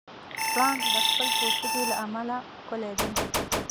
پړانګ د خپل پوستکي له امله ښکلی دی.